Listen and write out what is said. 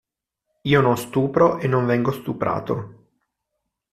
Io non stupro e non vengo stuprato.